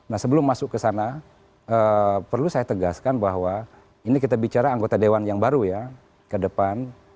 nah sebelum masuk ke sana perlu saya tegaskan bahwa ini kita bicara anggota dewan yang baru ya ke depan